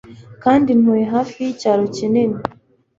kandi ntuye hafi yicyaro kinini